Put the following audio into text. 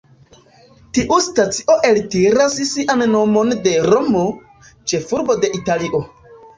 Tiu stacio eltiras sian nomon de Romo, ĉefurbo de Italio.